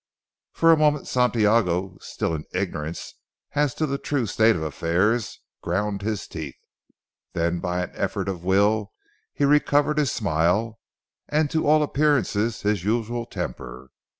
For a moment Santiago (still in ignorance as to the true state of affairs), ground his teeth. Then by an effort of will he recovered his smile, and to all appearances his usual temper.